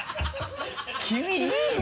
君いいね！